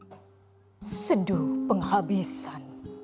hai seduh penghabisan